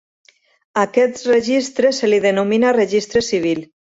A aquest registre se li denomina Registre Civil.